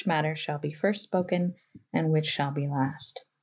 ter shalbe fyrst spoken & whiche shalbe last.